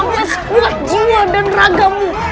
kita masih kuat jiwa dan raga